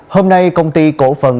hôm nay công ty cổ phận